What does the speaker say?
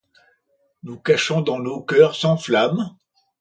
Nous cachons dans nôs coeurs, sans flamme